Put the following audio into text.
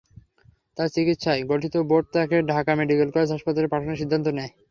তাঁর চিকিৎসায় গঠিত বোর্ড তাঁকে ঢাকা মেডিকেল কলেজ হাসপাতালে পাঠানোর সিদ্ধান্ত নেয়।